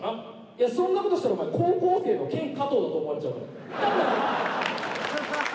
いやそんなことしたらお前高校生のケンカトウだと思われちゃうから。